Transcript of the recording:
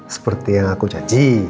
seperti yang aku janji